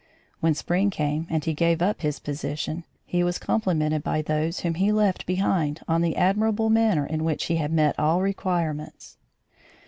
When spring came, and he gave up his position, he was complimented by those whom he left behind on the admirable manner in which he had met all requirements.